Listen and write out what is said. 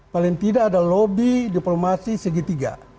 paling tidak ada lobby diplomasi segitiga